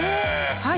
はい。